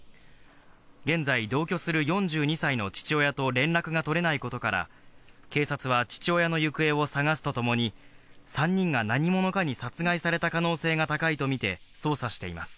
現在、同居する４２歳の父親と連絡が取れないことから、警察は父親の行方を捜すとともに、３人が何者かに殺害された可能性が高いとみて捜査しています。